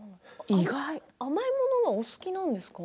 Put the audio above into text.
甘いものがお好きなんですか。